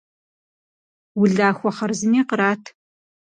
Улахуэ хъарзыни кърат.